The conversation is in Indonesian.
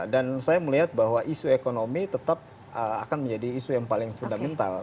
dan saya melihat bahwa isu ekonomi tetap akan menjadi isu yang paling fundamental